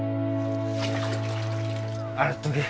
洗っとけ。